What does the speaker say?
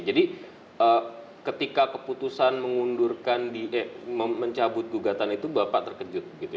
jadi ketika keputusan mencabut gugatan itu bapak terkejut